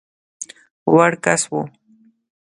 وړ کس وو.